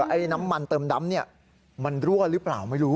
ไอ้น้ำมันเติมดำมันรั่วหรือเปล่าไม่รู้